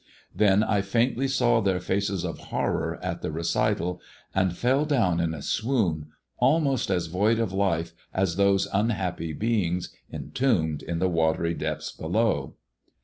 Then I faintly saw their faces of horror at the recital, and fell down in a swoon, almost as void of life as those unhappy beings entombed in the watery depths below.